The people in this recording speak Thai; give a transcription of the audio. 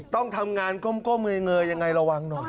ต้องทำงานก้มเงยยังไงระวังหน่อย